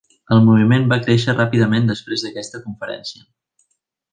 El moviment va créixer ràpidament després d'aquesta conferència.